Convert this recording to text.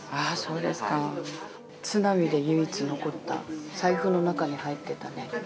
あそうですか。津波で唯一残った財布の中に入ってたね